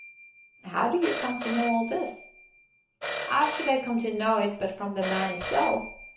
"How do you come to know all this?" "'Ow should I come to know it but from the man 'isself?